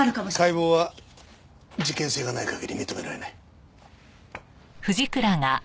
解剖は事件性がない限り認められない。